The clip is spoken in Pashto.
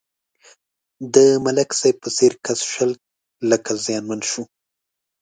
د ملک صاحب په څېر کس شل لکه زیانمن شو.